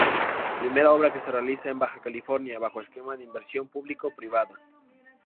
Primera obra que se realiza en Baja California bajo esquema de inversión público-privada.